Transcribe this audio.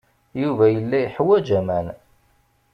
Yuba yella yeḥwaj aman.